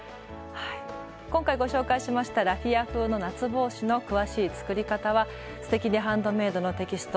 今回ご紹介しましたラフィア風の夏帽子の詳しい作り方は「すてきにハンドメイド」のテキスト